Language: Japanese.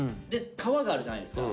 皮があるじゃないですか。